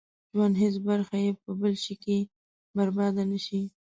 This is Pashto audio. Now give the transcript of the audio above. ژوند هېڅ برخه يې په بل شي کې برباده نه شي.